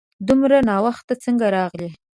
دومره ناوخته څنګه راغلې ؟